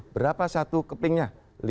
berapa satu kepingnya